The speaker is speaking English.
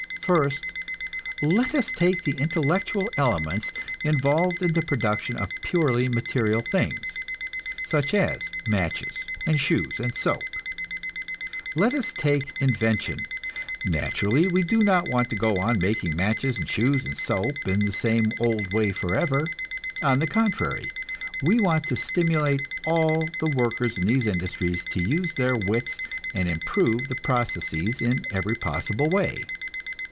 First, let us take the intellectual elements involved in the production of purely material things, such as matches and shoes and soap. Let us take invention. Naturally, we do not want to go on making matches and shoes and soap in the same old way forever. On the contrary, we want to stimulate all the workers in these industries to use their wits and improve the processes in every possible way.